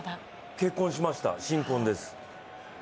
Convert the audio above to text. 結婚しました、新婚です。